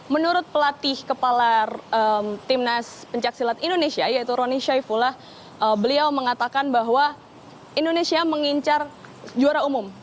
menurut pelatih kepala timnas pencaksilat indonesia yaitu roni syaifullah beliau mengatakan bahwa indonesia mengincar juara umum